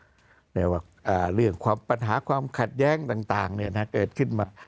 เรียกว่าเรื่องความปัญหาความขัดแย้งต่างเกิดขึ้นมา